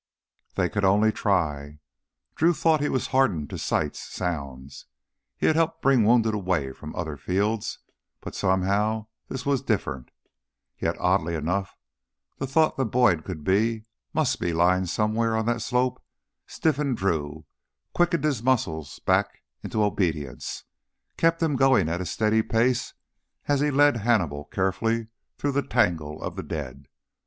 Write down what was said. They could only try ... Drew thought he was hardened to sights, sounds. He had helped bring wounded away from other fields, but somehow this was different. Yet, oddly enough, the thought that Boyd could be must be lying somewhere on that slope stiffened Drew, quickened his muscles back into obedience, kept him going at a steady pace as he led Hannibal carefully through the tangle of the dead.